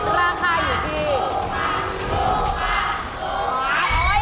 ราคาอยู่ที่